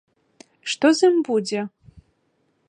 Што з ім будзе?